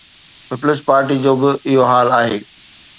Peoples پارٽيءَ جو به اهو حال آهي.